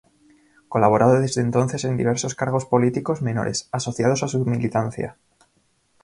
Colaboró desde entonces en diversos cargos políticos menores, asociados a su militancia.